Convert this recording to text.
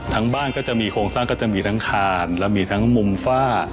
บ้านก็จะมีโครงสร้างก็จะมีทั้งคานและมีทั้งมุมฝ้า